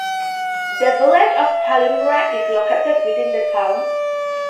The village of Palmyra is located within the town.